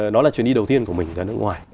nó là chuyến đi đầu tiên của mình ra nước ngoài